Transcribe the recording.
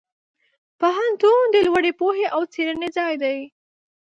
پوهنتون د لوړې پوهې او څېړنې ځای دی.